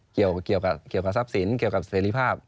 เกี่ยวกับทรัพย์สินเกี่ยวกับเสรีภาพ